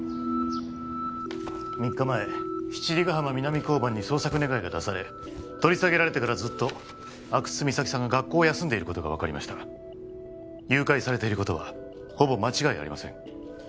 ３日前七里ヶ浜南交番に捜索願が出され取り下げられてからずっと阿久津実咲さんが学校を休んでいることが分かりました誘拐されていることはほぼ間違いありません